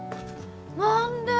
何で？